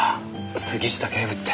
杉下警部って。